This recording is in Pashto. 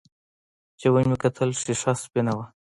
چې ومې کتل ښيښه سپينه وه.